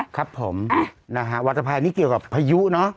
ครับผมนะฮะวัตภัยนี่เกี่ยวกับพายุเนอะ